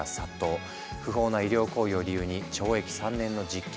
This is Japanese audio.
不法な医療行為を理由に懲役３年の実刑判決が下った。